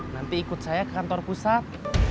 nanti ikut saya ke kantor pusat